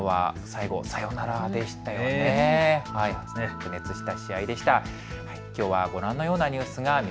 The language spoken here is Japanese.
白熱した試合でした。